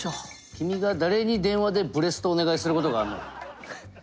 君が誰に電話でブレストをお願いすることがあんのよ。